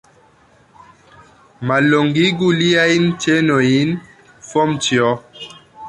Mallongigu liajn ĉenojn, Fomĉjo!